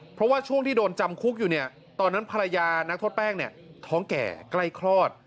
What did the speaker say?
เพราะว่าช่วงที่โดนจำคุกอยู่เนี่ยตอนนั้นภรรยานักโทษแป้งเนี่ยท้องแก่ใกล้คลอด